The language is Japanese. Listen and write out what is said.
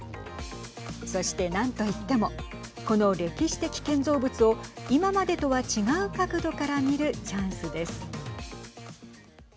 そして、何といってもこの歴史的建造物を今までとは違う角度から見るチャンスです。